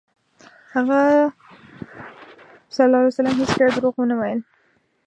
هغه ﷺ هېڅکله دروغ ونه ویل.